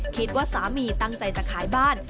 คิดว่าสามีตั้งใจจะขายบ้าน